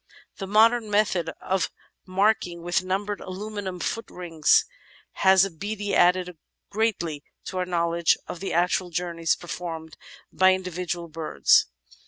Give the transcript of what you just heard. The modern method of marking with numbered aluminium foot rings has abeady added greatly to our knowledge of the actual journeys performed by individual birds.